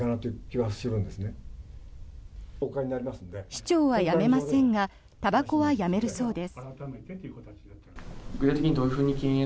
市長は辞めませんがたばこはやめるそうです。